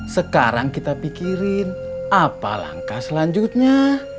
sekarang kita pikirin apa langkah selanjutnya